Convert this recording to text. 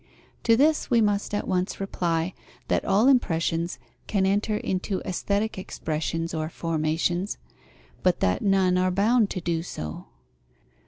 To this we must at once reply, that all impressions can enter into aesthetic expressions or formations, but that none are bound to do so.